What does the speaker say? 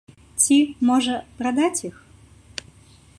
Ці, можа, прадаць іх?